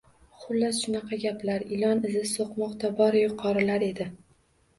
Xullas, shunaqa gaplar… Ilon izi soʼqmoq tobora yuqorilar edi.